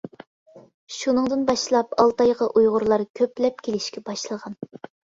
شۇنىڭدىن باشلاپ ئالتايغا ئۇيغۇرلار كۆپلەپ كېلىشكە باشلىغان.